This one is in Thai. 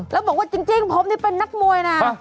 แล้วบอกว่าจริงผมนี่เป็นนักมวยนะ